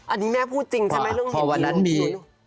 อันนี้แม่พูดจริงใช่ไหมเรื่องเห็นวันนั้นมี